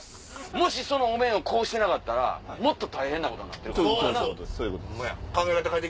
もしお面をこうしてなかったらもっと大変なことになってるかも。